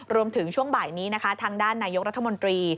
ช่วงบ่ายนี้นะคะทางด้านนายกรัฐมนตรี